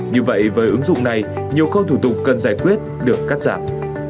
như vậy với ứng dụng này nhiều khâu thủ tục cần giải quyết được cắt giảm